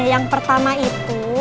yang pertama itu